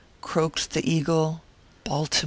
Croaked the Eagle" BALTIMORE."